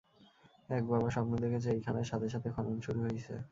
এক বাবা স্বপ্নে দেখছে এইখানে, সাথে সাথে খনন শুরু হইছে।